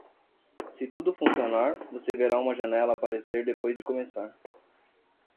Se tudo funcionar, você verá uma janela aparecer depois de começar.